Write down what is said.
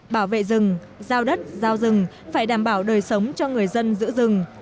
bảo vệ rừng giao đất giao rừng phải đảm bảo đời sống cho người dân giữ rừng